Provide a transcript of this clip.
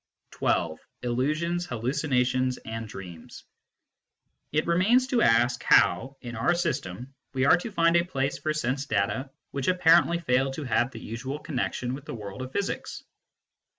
XII. ILLUSIONS, HALLUCINATIONS, AND DREAMS It remains to ask how, in our system, we are to find a place for sense data which apparently fail to have the usual connection with the world of physics.